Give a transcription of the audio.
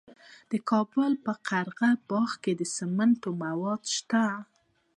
د کابل په قره باغ کې د سمنټو مواد شته.